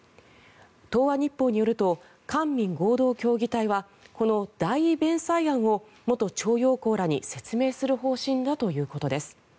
東亜日報によると官民合同協議体はこの代位弁済案を元徴用工らに説明する方針だということです。